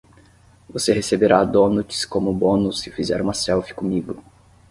Você receberá donuts como bônus se fizer uma selfie comigo.